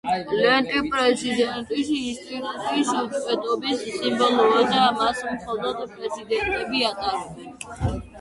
ლენტი პრეზიდენტის ინსტიტუტის უწყვეტობის სიმბოლოა და მას მხოლოდ პრეზიდენტები ატარებენ.